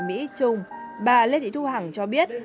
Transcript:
mỹ trung bà lê thị thu hằng cho biết